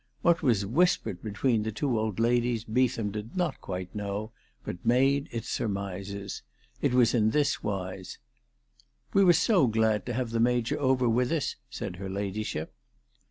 What was whispered between the two old ladies Beetham did not quite know, but made its surmises. It was in this wise. "We were so glad to have the Major over with us," said her ladyship.